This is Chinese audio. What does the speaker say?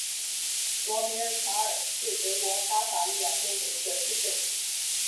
索梅尔卡尔是德国巴伐利亚州的一个市镇。